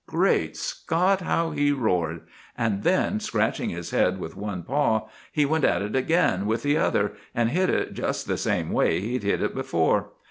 Great Scott! how he roared! And then, scratching his head with one paw, he went at it again with the other, and hit it just the same way he'd hit it before.